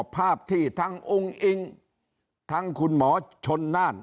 ภาพที่ทั้งอุ้งอิงทั้งคุณหมอชนน่าน